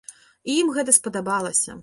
І ім гэта спадабалася!